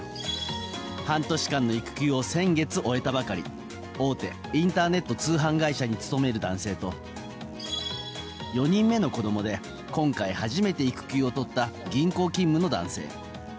半年間の育休を先月終えたばかり大手インターネット通販会社に勤める男性と４人目の子供で今回、初めて育休をとった銀行勤務の男性。